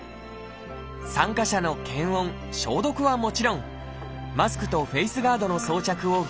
参加者の検温消毒はもちろんマスクとフェースガードの装着を義務化。